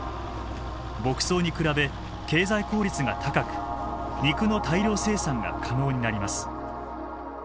牧草に比べ経済効率が高く肉の大量生産が可能になります。